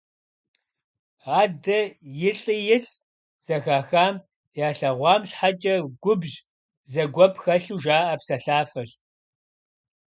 «Адэ илӏи-илӏ» - зэхахам, ялъэгъуам щхьэкӀэ губжь, зэгуэп хэлъу жаӀэ псэлъафэщ.